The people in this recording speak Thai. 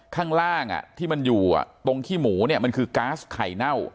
ข้างล่างที่มันอยู่ตรงขี้หมูเนี่ยมันคือก๊าซไข่เน่า